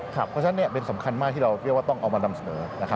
เพราะฉะนั้นเป็นสำคัญมากที่เราเรียกว่าต้องเอามานำเสนอ